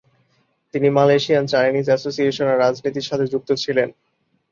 তিনি Malaysian Chinese অ্যাসোসিয়েশনের রাজনীতির সাথে যুক্ত ছিলেন।